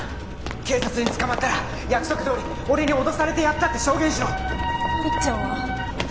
警察に捕まったら約束どおり俺に脅されてやったって証言しろいっちゃんは？